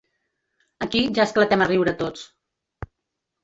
Aquí ja esclatem a riure tots.